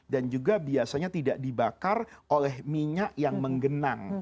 dan juga biasanya tidak dibakar oleh minyak yang menggenang